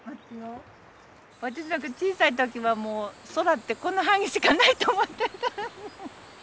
私なんか小さい時はもう空ってこの範囲しかないと思ってた。